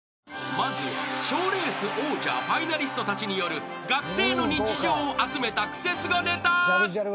［まずは賞レース王者ファイナリストたちによる学生の日常を集めたクセスゴネタ］